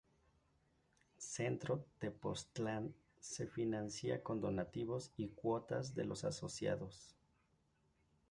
Centro Tepoztlán se financia con donativos y cuotas de los asociados.